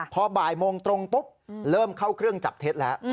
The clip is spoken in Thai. พอบ่ายโมงตรงปุ๊บเริ่มเข้าเครื่องจับเท็จแล้ว